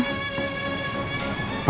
terima kasih ya pak